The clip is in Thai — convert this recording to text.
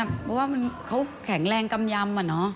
เพราะว่าเขาแข็งแรงกำยำอ่ะเนาะ